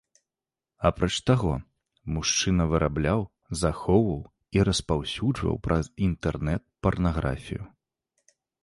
Апроч таго, мужчына вырабляў, захоўваў і распаўсюджваў праз інтэрнэт парнаграфію.